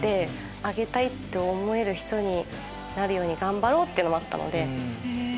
あげたいって思える人になるように頑張ろうっていうのもあったので。